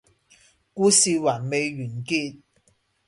故事還未完結